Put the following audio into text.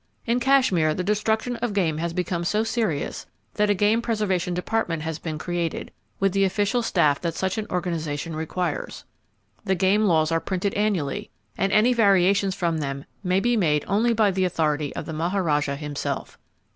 In Kashmir, the destruction of game has become so serious that a Game Preservation Department has been created, with the official staff that such an organization requires. The game laws are printed annually, and any variations from them may be made only by the authority of the Maharajah himself.